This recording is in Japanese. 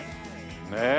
ねえ。